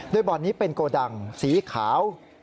โดยบ่อนนี้เป็นโกดังสีขาว